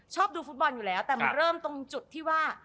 ชอบดูฟุตบอลอยู่แล้วแต่มันเริ่มตรงจุดที่ว่า